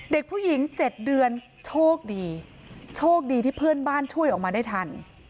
เด็กผู้หญิง๗เดือนโชคดีโชคดีที่เพื่อนบ้านช่วยออกมาได้ทัน